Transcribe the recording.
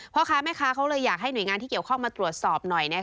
พ่อค้าแม่ค้าเขาเลยอยากให้หน่วยงานที่เกี่ยวข้องมาตรวจสอบหน่อย